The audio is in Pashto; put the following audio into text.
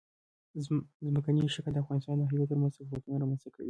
ځمکنی شکل د افغانستان د ناحیو ترمنځ تفاوتونه رامنځ ته کوي.